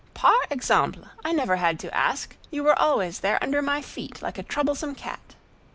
'" "Par exemple! I never had to ask. You were always there under my feet, like a troublesome cat."